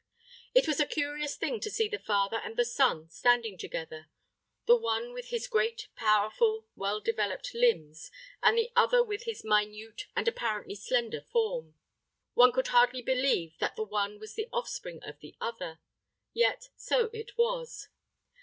It was a curious thing to see the father and the son standing together: the one with his great, powerful, well developed limbs, and the other with his minute and apparently slender form. One could hardly believe that the one was the offspring of the other. Yet so it was.